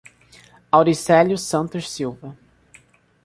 Auricelio Santos Silva